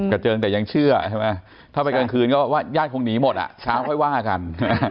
กระเจิงแต่ยังเชื่อถ้าไปกลางคืนก็ว่าญาติคงหนีหมดช้าค่อยว่ากัน